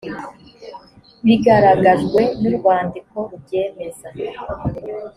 bigaragajwe n urwandiko rubyemeza